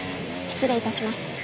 失礼致します。